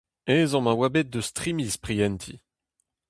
Ezhomm a oa bet eus tri miz prientiñ.